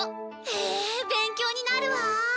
へえ勉強になるわあ。